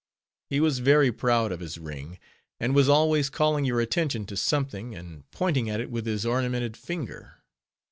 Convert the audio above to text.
He was very proud of his ring, and was always calling your attention to something, and pointing at it with his ornamented finger.